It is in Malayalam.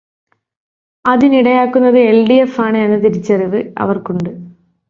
അതിനിടയാക്കുന്നത് എൽ.ഡി.എഫാണ് എന്ന തിരിച്ചറിവ് അവർക്കുണ്ട്.